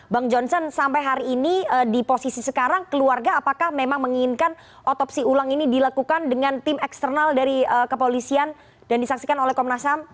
bang johnson sampai hari ini di posisi sekarang keluarga apakah memang menginginkan otopsi ulang ini dilakukan dengan tim eksternal dari kepolisian dan disaksikan oleh komnas ham